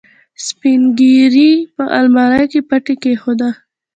سپينږيري په المارۍ کې پټۍ کېښوده.